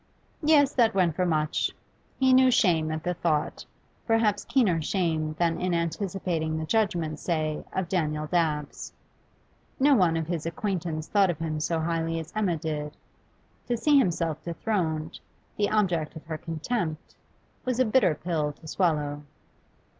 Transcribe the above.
Yes, that went for much; he knew shame at the thought, perhaps keener shame than in anticipating the judgment, say, of Daniel Dabbs. No one of his acquaintances thought of him so highly as Emma did; to see himself dethroned, the object of her contempt, was a bitter pill to swallow.